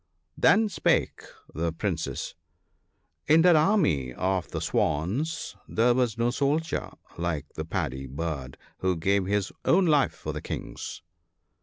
Then spake the Princes :—" In that army of the Swans there was no soldier like the Paddy bird, who gave his own life for the King's."